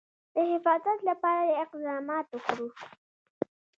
د حفاظت لپاره اقدامات وکړو.